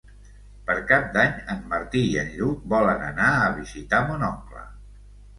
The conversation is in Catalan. Per Cap d'Any en Martí i en Lluc volen anar a visitar mon oncle.